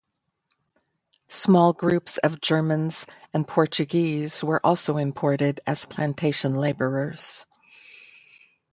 Small groups of Germans and Portuguese were also imported as plantation labourers.